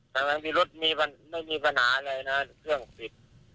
แม้ว่าที่รถมันไม่มีปัญหาอะไรน่ะเครื่องผิด